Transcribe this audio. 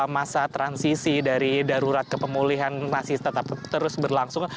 masa transisi dari darurat kepemulihan masih tetap terus berlangsung